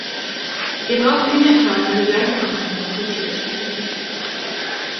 Wir brauchen in der Tat eine gleiche Behandlung von tierischen Fetten.